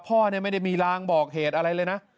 พ่อไม่ได้มีรางบอกเหตุอะไรเลยนะ